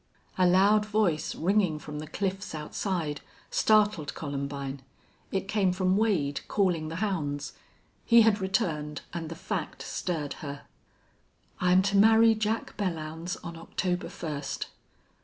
A loud voice ringing from the cliffs outside, startled Columbine. It came from Wade calling the hounds. He had returned, and the fact stirred her. "I'm to marry Jack Belllounds on October first."